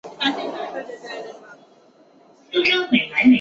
孔循奉命将赵虔等全部族诛。